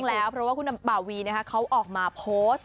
แล้วเพราะว่าคุณป่าวีเขาออกมาโพสต์